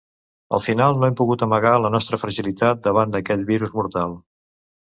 Al final no hem pogut amagar la nostra fragilitat davant d'aquest virus mortal.